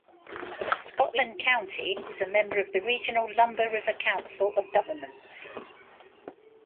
Scotland County is a member of the regional Lumber River Council of Governments.